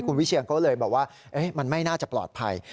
คุณวิเชียนก็เลยบอกว่ามันไม่น่าจะปลอดภัย